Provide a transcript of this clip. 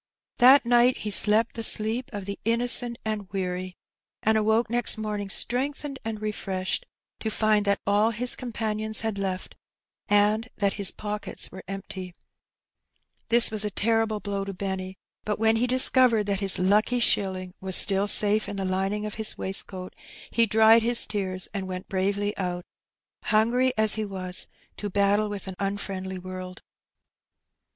That night he slept the sleep of the innocent and weary^ and awoke next morning strengthened and refreshed, to find that all his companions had left and that his pockets were empty ! This was a terrible blow to Benny; but when he dis covered that his "hicky shilling '^ was still safe in the lining of his waistcoat^ he dried his tears^ and went bravely out^ hungry as he was^ to battle with an unfriendly world.